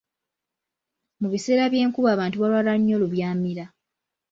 Mu biseera by’enkuba abantu balwala nnyo lubyamira.